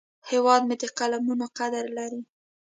هیواد مې د قلمونو قدر لري